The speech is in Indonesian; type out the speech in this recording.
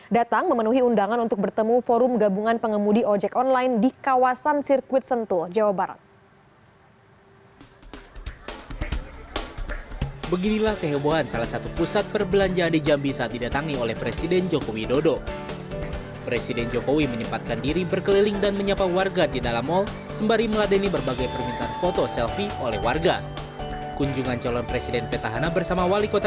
datang memenuhi undangan untuk bertemu forum gabungan pengemudi ojek online di kawasan sirkuit sentul jawa barat